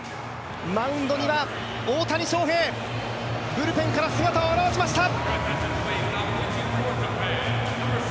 マウンドには大谷翔平ブルペンから姿を現しました。